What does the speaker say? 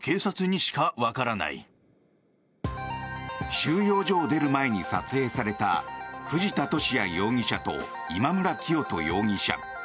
収容所を出る前に撮影された藤田聖也容疑者と今村磨人容疑者。